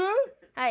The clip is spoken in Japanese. はい。